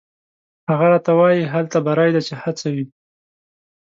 هغه راته وایي: «هلته بری دی چې هڅه وي».